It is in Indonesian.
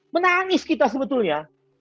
menangis kita sebetulnya